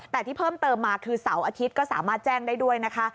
แต่ที่เพิ่มเติมมาคือเสาร์อาทิตย์ก็สามารถแจ้งได้ด้วยนะคะ